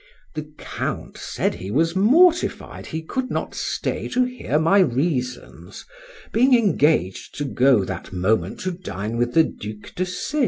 The Count said he was mortified he could not stay to hear my reasons, being engaged to go that moment to dine with the Duc de C—.